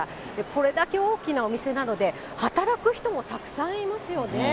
これだけ大きなお店なので、働く人もたくさんいますよね。